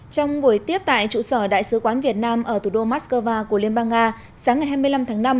trong buổi tiếp tại trụ sở đại sứ quán việt nam ở thủ đô moscow của liên bang nga sáng ngày hai mươi năm tháng năm